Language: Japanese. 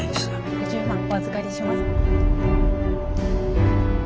５０万お預かりします。